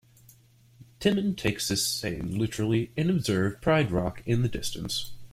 Timon takes this saying literally and observes Pride Rock in the distance.